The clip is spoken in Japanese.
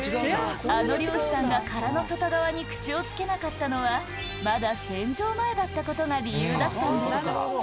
あの漁師さんが殻の外側に口をつけなかったのは、まだ洗浄前だったことが理由だったんです。